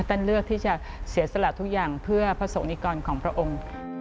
เลือกที่จะเสียสละทุกอย่างเพื่อพระสงคิกรของพระองค์